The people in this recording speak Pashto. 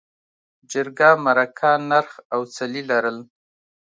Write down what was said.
جرګه، مرکه، نرخ او څلي لرل.